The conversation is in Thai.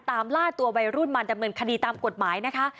ล่าตัววัยรุ่นมาดำเนินคดีตามกฎหมายนะคะ